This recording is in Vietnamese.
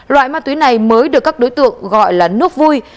loại ma túy này mới được các đối tượng gọi là nước vui